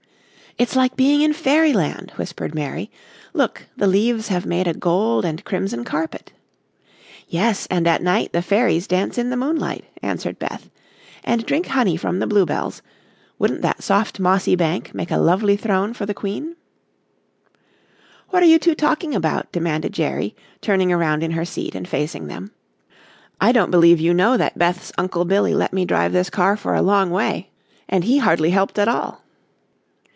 "It's like being in fairyland," whispered Mary. "Look, the leaves have made a gold and crimson carpet." "Yes, and at night the fairies dance in the moonlight," answered Beth, "and drink honey from the blue bells. Wouldn't that soft mossy bank make a lovely throne for the queen?" [Illustration: "Don't you just love to fly through the air this way?" cried Jerry.] "What are you two talking about?" demanded Jerry, turning around in her seat and facing them. "I don't believe you know that Beth's Uncle Billy let me drive this car for a long way and he hardly helped at all."